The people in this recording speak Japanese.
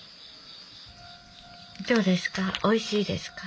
どうですか？